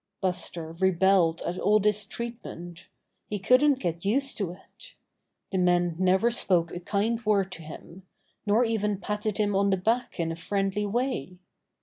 Buster rebelled at all this treatment. He couldn't get used to it. The men never spoke a kind word to him, nor ever patted him on the back in a friendly way.